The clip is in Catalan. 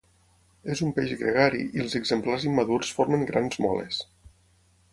És un peix gregari i els exemplars immadurs formen grans moles.